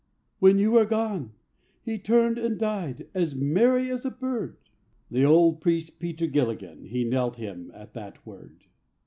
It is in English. "When you were gone, he turned and died "As merry as a bird." The old priest Peter Gilligan He knelt him at that word.